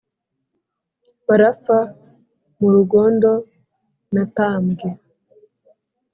Barapfa mu Rugondo na Tambwe